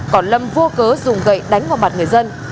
còn lâm vô cớ dùng gậy đánh vào mặt người dân